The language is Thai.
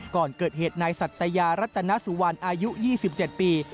ก่อนเกิดเหตุนายสัตยารัตนสุวรรณอายุ๒๗ปี